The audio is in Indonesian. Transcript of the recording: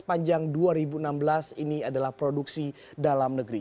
sepanjang dua ribu enam belas ini adalah produksi dalam negeri